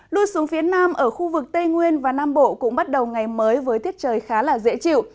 lui xuống phía nam ở khu vực tây nguyên và nam bộ cũng bắt đầu ngày mới với thiết trời khá dễ chịu